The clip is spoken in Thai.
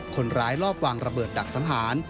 คนร้ายรอบวางระเบิดดักสังหาร